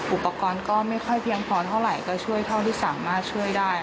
อุปกรณ์ก็ไม่ค่อยเพียงพอเท่าไหร่ก็ช่วยเท่าที่สามารถช่วยได้